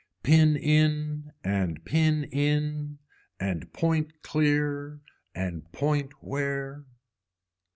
Pin in and pin in and point clear and point where.